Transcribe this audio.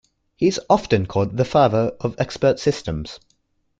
He is often called the father of expert systems.